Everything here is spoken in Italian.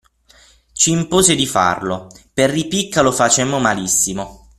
C'impose di farlo, per ripicca lo facemmo malissimo.